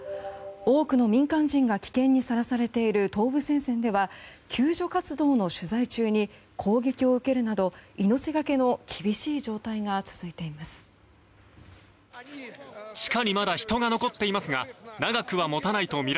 多くの民間人が危険にさらされている東部戦線では救助活動の取材中に攻撃を受けるなど命がけの厳しい状態が続いています。